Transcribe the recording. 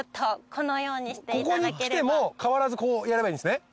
ここに来ても変わらずこうやればいいんですね。